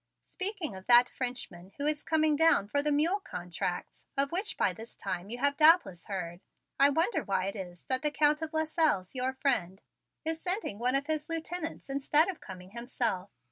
"Speaking of that Frenchman who is coming down for the mule contracts, of which by this time you have doubtless heard, I wonder why it is that the Count of Lasselles, your friend, is sending one of his lieutenants instead of coming himself.